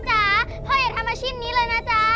จ๊ะพ่ออย่าทำอาชีพนี้เลยนะจ๊ะ